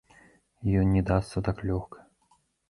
Ён не дасца так лёгка!